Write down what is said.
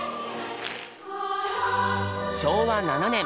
昭和７年。